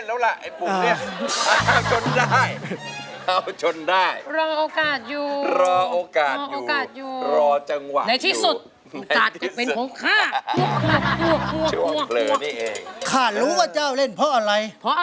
นี่ผ่านกันต้อง๓เพคเรานึกแล้ว